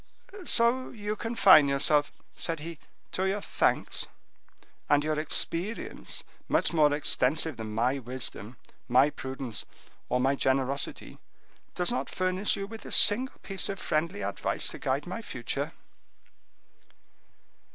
"So you confine yourself," said he, "to your thanks—and your experience, much more extensive than my wisdom, my prudence, or my generosity, does not furnish you with a single piece of friendly advice to guide my future."